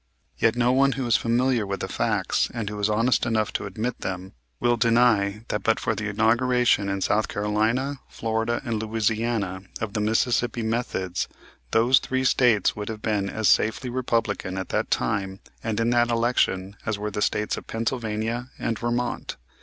Yet, no one who is familiar with the facts, and who is honest enough to admit them, will deny that but for the inauguration in South Carolina, Florida, and Louisiana, of the Mississippi methods, those three States would have been as safely Republican at that time and in that election as were the States of Pennsylvania and Vermont.